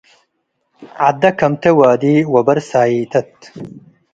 ዐደ ከምቴ ዋዲ ወበር ሳይተት